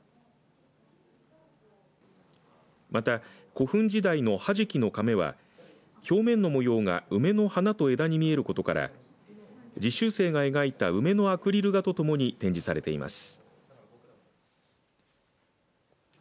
また古墳時代の土師器のかめは表面の模様が梅の花と枝に見えることから実習生が描いた梅のアクリル画とともに展示されています。